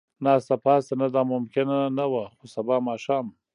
ناسته پاسته، نه دا ممکنه نه وه، خو سبا ماښام.